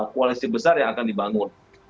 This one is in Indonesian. koalisi besar yang akan dibangun